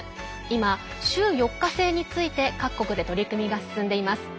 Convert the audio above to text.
今、週４日制について各国で取り組みが進んでいます。